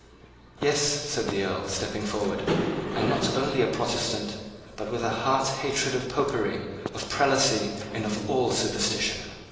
"Yes," said the Earl, stepping forward, "and not only a Protestant, but with a heart hatred of Popery, of Prelacy, and of all superstition."